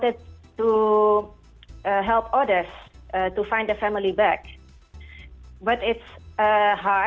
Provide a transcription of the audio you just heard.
dan saya juga ingin membantu orang lain